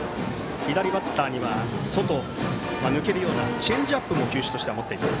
左バッターには、外に抜けるようなチェンジアップも球種として持っています。